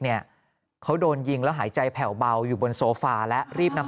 เนี่ยเขาโดนยิงแล้วหายใจแผ่วเบาอยู่บนโซฟาแล้วรีบนำ